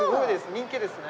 人気ですね。